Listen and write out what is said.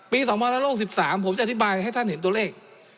๒๑๖๓ผมจะอธิบายให้ท่านเห็นตัวเลข